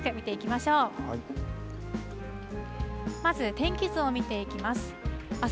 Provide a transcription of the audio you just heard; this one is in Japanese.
まず天気図を見ていきます。